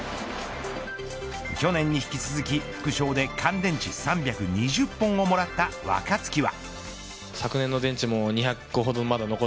去年に引き続き副賞で乾電池３２０本をもらった若月は。